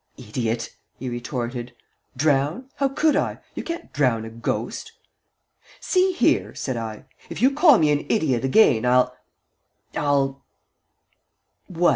"Idiot!" he retorted. "Drown? How could I? You can't drown a ghost!" "See here," said I, "if you call me an idiot again, I'll I'll " "What?"